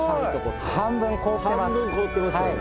半分凍ってます。